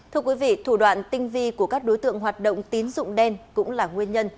thưa quý vị thủ đoạn tinh vi của các đối tượng hoạt động tín dụng đen cũng là nguyên nhân